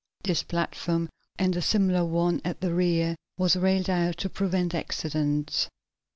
This platform, and a similar one at the rear, was railed about, to prevent accidents.